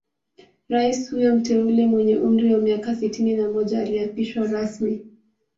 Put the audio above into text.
Rais huyo mteule mwenye umri wa miaka sitini na moja aliapishwa rasmi